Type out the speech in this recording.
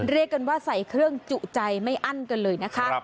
เรียกกันว่าใส่เครื่องจุใจไม่อั้นกันเลยนะคะ